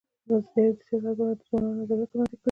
ازادي راډیو د سیاست په اړه د ځوانانو نظریات وړاندې کړي.